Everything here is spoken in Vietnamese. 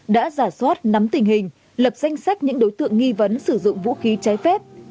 đã giả soát nắm tình hình lập danh sách những đối tượng nghi vấn sử dụng vũ khí trái phép